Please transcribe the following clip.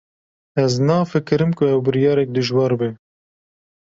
Ez nafikirim ku ew biryarek dijwar be.